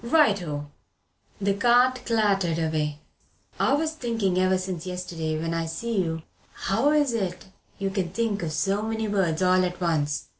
Right oh!" The cart clattered away. "I was thinking ever since yesterday when I see you how is it you can think o' so many words all at once.